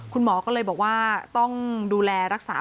คุณหมอก็เลยบอกว่าต้องดูแลรักษา